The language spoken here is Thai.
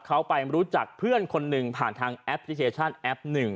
เขาไปรู้จักเพื่อนคนหนึ่งผ่านทางแอพพิเศษชั่นแอพ๑